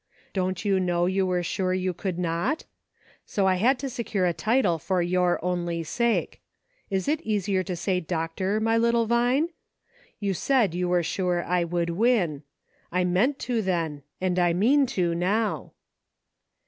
" Don't you know you were sure you could not ? So I had to secure a title for your only sake. Is it easier to say Doctor, my little Vine .* You said you were sure I would win. I meant to then, and I mean to now."